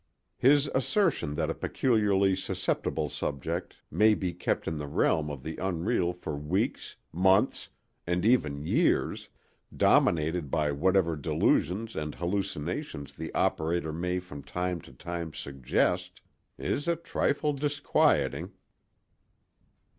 His assertion that a peculiarly susceptible subject may be kept in the realm of the unreal for weeks, months, and even years, dominated by whatever delusions and hallucinations the operator may from time to time suggest, is a trifle disquieting."